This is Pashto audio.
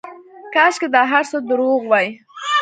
کاشکې دا هرڅه درواغ واى.